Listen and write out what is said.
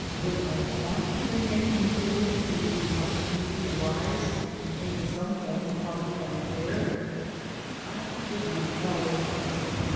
Would I want to remain in Italy, should the opportunity arise, and enter some form of public life there? I did not know.